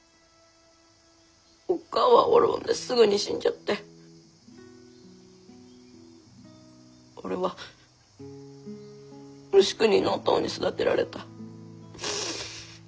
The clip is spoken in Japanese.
おっかあは俺を産んですぐに死んじゃって俺は無宿人のおとうに育てられた。